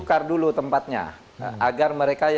kalau blender ini